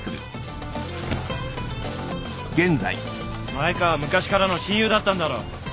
前川は昔からの親友だったんだろ。